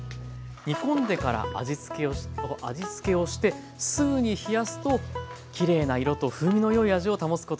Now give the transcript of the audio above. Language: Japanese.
煮込んでから味付けをしてすぐに冷やすときれいな色と風味の良い味を保つことができます。